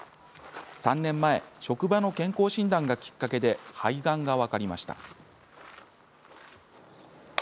３年前、職場の健康診断がきっかけで肺がんが分かりました。